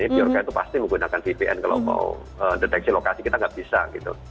biorka itu pasti menggunakan vpn kalau mau deteksi lokasi kita nggak bisa gitu